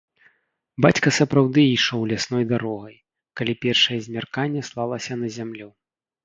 Бацька сапраўды ішоў лясной дарогай, калі першае змярканне слалася на зямлю.